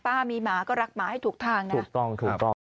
ป้ามีหมาก็รักหมาให้ถูกทาง